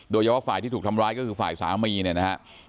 โดยเฉพาะฝ่ายที่ถูกทำร้ายก็คือฝ่ายสามีเนี่ยนะฮะ